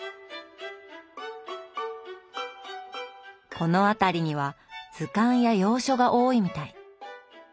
この辺りには図鑑や洋書が多いみたい。